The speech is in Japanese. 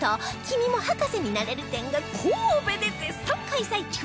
「君も博士になれる展」が神戸で絶賛開催中！